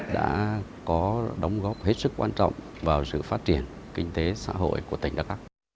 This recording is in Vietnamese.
đã có đóng góp hết sức quan trọng vào sự phát triển kinh tế xã hội của tỉnh đắk lắc